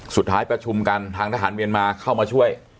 สุดท้ายประชุมกันทางทหารเมียนมาเข้ามาช่วย